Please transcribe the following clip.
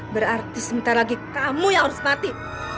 berarti sebentar lagi kamu yang harus mati